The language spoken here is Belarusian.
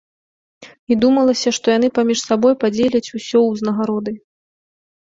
І думалася, што яны паміж сабой падзеляць усё ўзнагароды.